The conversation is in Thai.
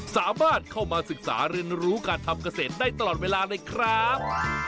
สามารถเข้ามาศึกษาเรียนรู้การทำเกษตรได้ตลอดเวลาเลยครับ